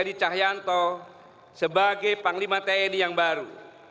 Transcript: marsaka tni hadi cahyanto sebagai panglima tni yang baru